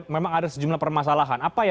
memang ada sejumlah permasalahan